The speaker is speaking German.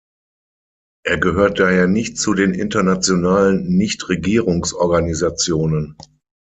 Er gehört daher nicht zu den internationalen Nichtregierungsorganisationen.